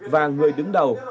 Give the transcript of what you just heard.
và người đứng đầu